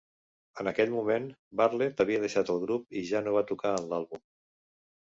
En aquell moment, Bartlett havia deixat el grup i ja no va tocar en l'àlbum.